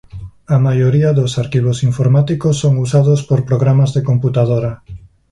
A maioría dos arquivos informáticos son usados por programas de computadora.